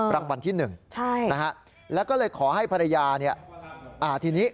รางวัลที่๑แล้วก็เลยขอให้ภรรยาเนี่ยอ่าทีนี้